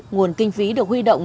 nguồn kinh phí được huy động